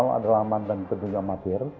eli eskical adalah amat dan petunjuk amatir